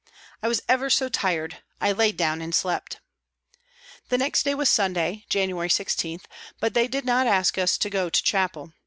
I was ever so tired I laid down and slept. The next day was Sunday (January 16), but they did not ask us to go to chapel.